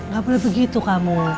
gak boleh begitu kamu